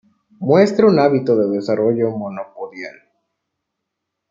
Muestra un hábito de desarrollo monopodial.